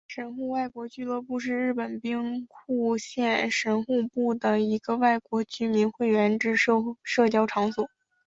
神户外国俱乐部是日本兵库县神户市的一个外国居民会员制社交场所。